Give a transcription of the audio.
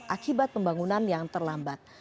akibat pembangunan yang terlambat